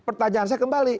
pertanyaan saya kembali